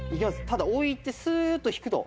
ただ置いてスーッと引くと。